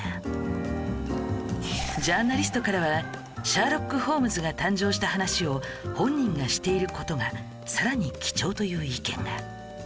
ジャーナリストからは『シャーロック・ホームズ』が誕生した話を本人がしている事がさらに貴重という意見が